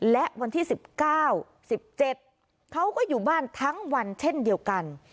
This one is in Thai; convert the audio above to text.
และวันที่๑๙๑๗เขาก็อยู่บ้านทั้งวันเช่นเดียวกัน